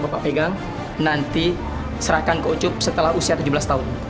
bapak pegang nanti serahkan ke ucup setelah usia tujuh belas tahun